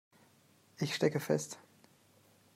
Ich stecke fest.